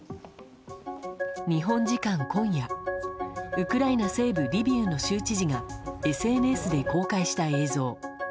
日本時間今夜ウクライナ西部リビウの州知事がＳＮＳで公開した映像。